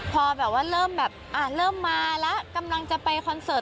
พอแบบว่าเริ่มแบบเริ่มมาแล้วกำลังจะไปคอนเสิร์ต